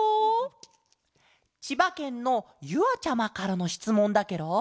ちばけんのゆあちゃまからのしつもんだケロ。